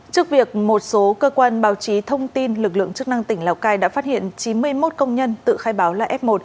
trước việc một số cơ quan báo chí thông tin lực lượng chức năng tỉnh lào cai đã phát hiện chín mươi một công nhân tự khai báo là f một